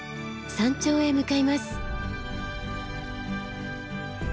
山頂へ向かいます。